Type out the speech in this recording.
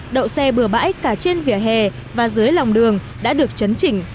đậu xe bừa bãi cả trên vỉa hè và dưới lòng đường đã được chấn chỉnh